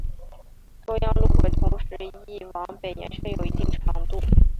中央路轨同时亦往北延伸有一定长度。